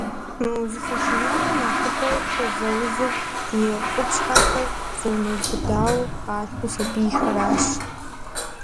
Мы узыфэ шынагъуэр нэхъыбэу къызэузыр и къупщхьэхэр зэрымубыдауэ къалъху сабийхэращ.